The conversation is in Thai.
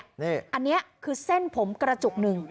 อันนี้คือเส้นผมกระจุกหนึ่ง